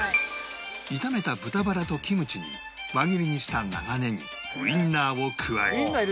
炒めた豚バラとキムチに輪切りにした長ネギウインナーを加え